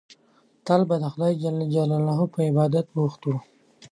تل به د خدای جل جلاله په عبادت بوخت وو.